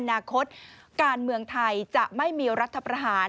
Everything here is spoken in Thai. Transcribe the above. นาคตการเมืองไทยจะไม่มีรัฐประหาร